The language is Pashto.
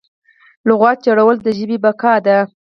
لغت جوړول د ژبې بقا ده.